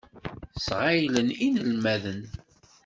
Sɣeylen inelmaden.